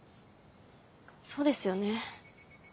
そうですよね。